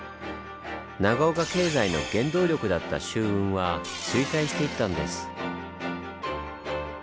長岡経済の原動力だった舟運は衰退していったんです。